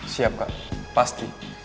siap kak pasti